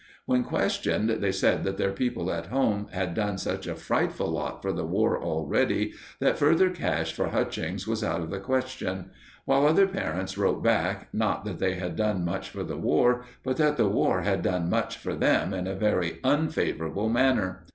When questioned, they said that their people at home had done such a frightful lot for the War already that further cash for Hutchings was out of the question; while other parents wrote back, not that they had done much for the War, but that the War had done much for them in a very unfavourable manner.